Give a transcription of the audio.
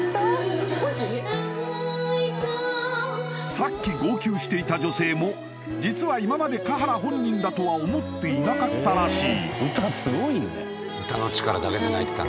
さっき号泣していた女性も実は今まで華原本人だとは思っていなかったらしい